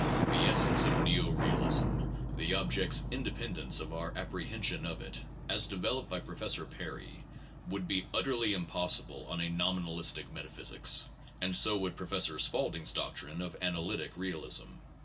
The es sence of neo realism, the object's independence of our apprehension of it, as developed by Professor Perry, would be utterly impossible on a nominalistic metaphysic, and so would Professor Spaulding's doctrine of analytic realism.